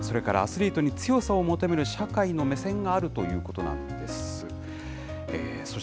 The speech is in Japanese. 主な原因、ＳＮＳでのバッシング、それからアスリートの強さを求める社会の目線があるということなんです。